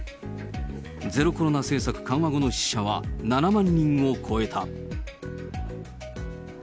ゼロコロナ政策緩和後の死者は７万人を超えた。